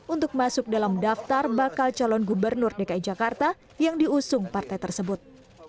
untuk masuk dalam daftar bakal calon gubernur dki jakarta yang diusung partai tersebut